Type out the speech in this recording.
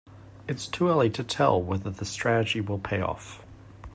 It's too early to tell whether the strategy will pay off.